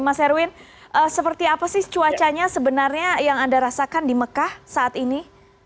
mas erwin seperti apa sih cuacanya sebenarnya yang anda rasakan di mekah saat ini